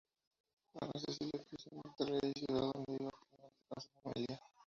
Ana Celia creció en Monterrey, ciudad donde vive actualmente con su familia.